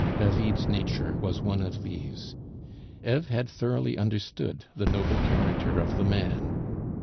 David's nature was one of these. Eve had thoroughly understood the noble character of the man.